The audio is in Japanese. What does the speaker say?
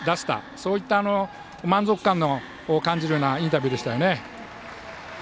そういった満足感を感じるようなインタビューでしたよね。